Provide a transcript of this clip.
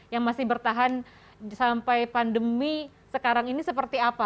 yang masih bertahan sampai pandemi sekarang ini seperti apa